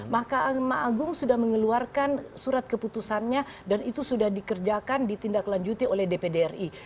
mahkamah agung sudah mengeluarkan surat keputusannya dan itu sudah dikerjakan ditindaklanjuti oleh dpd ri